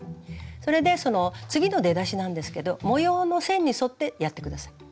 それで次の出だしなんですけど模様の線に沿ってやって下さい。